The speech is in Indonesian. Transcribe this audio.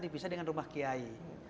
dipisah dengan rumah kiai